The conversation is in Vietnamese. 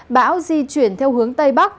bão di chuyển theo hướng tây bắc